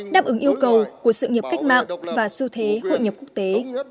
đáp ứng yêu cầu của sự nghiệp cách mạng và xu thế hội nhập quốc tế